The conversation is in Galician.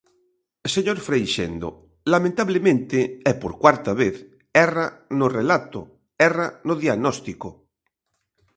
Señor Freixendo, lamentablemente, e por cuarta vez, erra no relato, erra no diagnóstico.